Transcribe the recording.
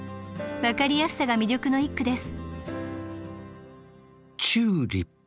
分かりやすさが魅力の一句です。